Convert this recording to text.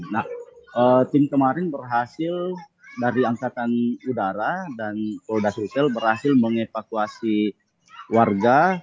nah tim kemarin berhasil dari angkatan udara dan polda sutel berhasil mengevakuasi warga